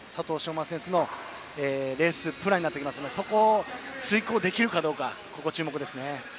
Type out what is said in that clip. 馬選手のレースプランになってきますのでそこを遂行できるかどうかが注目ですね。